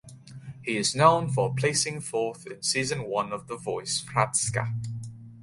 He is known for placing fourth in season one of "The Voice Hrvatska".